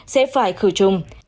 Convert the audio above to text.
sẽ phải khử chung